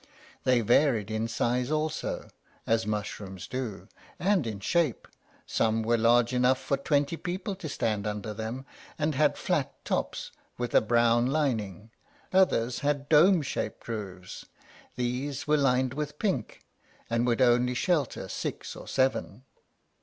They varied in size, also, as mushrooms do, and in shape: some were large enough for twenty people to stand under them, and had flat tops with a brown lining; others had dome shaped roofs; these were lined with pink, and would only shelter six or seven.